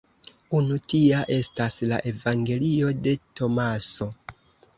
Unu tia estas la evangelio de Tomaso.